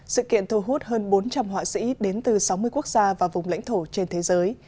sự kiện thu hút hơn bốn trăm linh họa sĩ đến từ sáu mươi quốc gia và vùng lãnh thổ trên thế giới